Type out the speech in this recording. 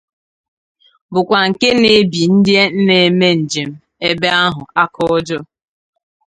bụkwa nke na-ebì ndị na-eme njem ebe ahụ aka ọjọọ.